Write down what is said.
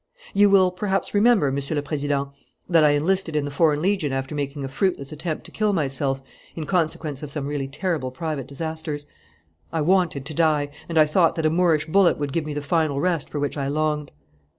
"You will perhaps remember, Monsieur le Président, that I enlisted in the Foreign Legion after making a fruitless attempt to kill myself in consequence of some really terrible private disasters. I wanted to die, and I thought that a Moorish bullet would give me the final rest for which I longed.